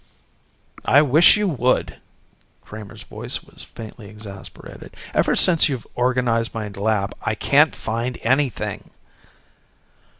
"I wish you would," Kramer's voice was faintly exasperated. "Ever since you've organized my lab I can't find anything."